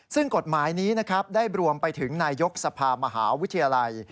ซึ่งกฎหมายนี้นะครับได้รวมไปถึงนายกสภามหาวิทยาลัย